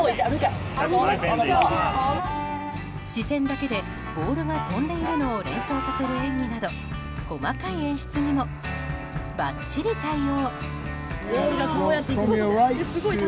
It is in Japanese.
視線だけでボールが飛んでいるのを連想させる演技など細かい演出にも、ばっちり対応。